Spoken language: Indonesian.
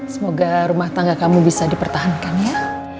semoga rumah tangga kamu bisa dipertahankan ya